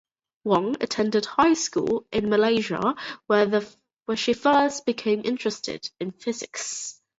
Wong attended high school in Malaysia where she first became interested in physics.